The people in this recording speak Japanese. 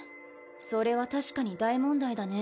それは確かに大問題だね。